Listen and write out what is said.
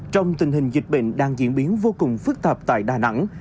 trong tình hình dịch bệnh đang diễn biến vô cùng phức tạp tại đà nẵng